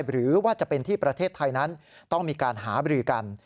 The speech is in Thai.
หรือว่าจะเป็นที่ประเทศไทยนั้นต้องมีการหาบรือกัน